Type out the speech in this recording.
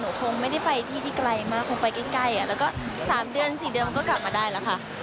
คงไม่ได้ไปที่ที่ไกลมากคงไปใกล้แล้วก็๓เดือน๔เดือนมันก็กลับมาได้แล้วค่ะ